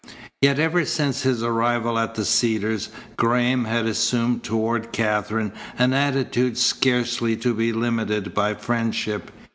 Yet ever since his arrival at the Cedars, Graham had assumed toward Katherine an attitude scarcely to be limited by friendship.